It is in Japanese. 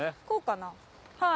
こうかな？